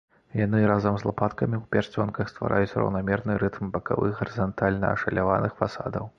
Яны разам з лапаткамі ў прасценках ствараюць раўнамерны рытм бакавых гарызантальна ашаляваных фасадаў.